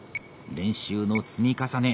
練習の積み重ね